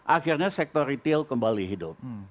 akhirnya sektor retail kembali hidup